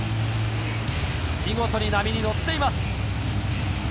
見事に波に乗っています。